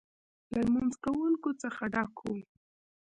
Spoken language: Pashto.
له لمونځ کوونکو څخه ډک و.